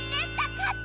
かった！